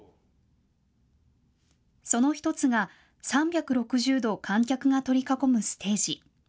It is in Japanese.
その１つが３６０度観客が取り囲むステージ。